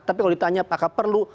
tapi kalau ditanya apakah perlu